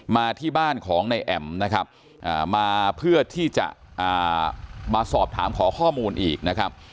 มาที่บ้านของนายแอ๋มนะครับมาเพื่อที่จะมาสอบถามขอข้อมูลอีกนะครับ